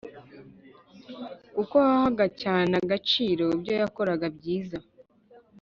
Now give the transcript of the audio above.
kuko wahaga cyane agaciro ibyo yakoraga byiza.